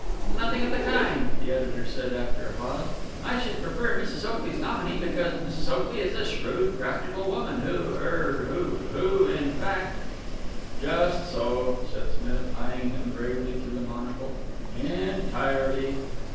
"Nothing of the kind," the editor said, after a pause. "I should prefer Mrs. Oakley's nominee because Mrs. Oakley is a shrewd, practical woman who er who who, in fact " "Just so," said Smith, eying him gravely through the monocle. "Entirely."